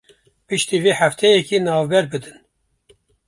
Piştî vê hefteyekî navber bidin